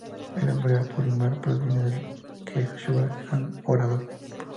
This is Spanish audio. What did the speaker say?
El nombre Apurímac proviene del quechua gran orador.